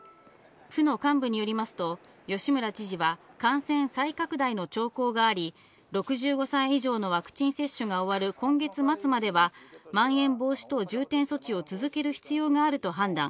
府の幹部によりますと吉村知事は感染再拡大の兆候があり、６５歳以上のワクチン接種が終わる今月末まではまん延防止等重点措置を続ける必要があると判断。